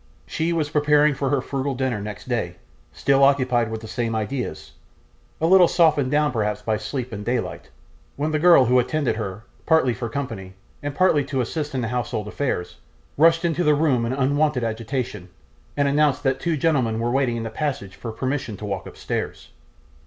She was preparing for her frugal dinner next day, still occupied with the same ideas a little softened down perhaps by sleep and daylight when the girl who attended her, partly for company, and partly to assist in the household affairs, rushed into the room in unwonted agitation, and announced that two gentlemen were waiting in the passage for permission to walk upstairs.